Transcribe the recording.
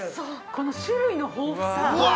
この種類の豊富さ。